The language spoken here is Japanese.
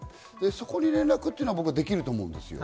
そこに連絡はできると思うんです。